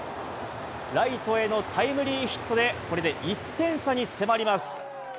ライトへのタイムリーヒットで、これで１点差に迫ります。